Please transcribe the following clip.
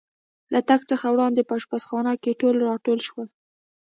له تګ څخه وړاندې په اشپزخانه کې ټول را ټول شو.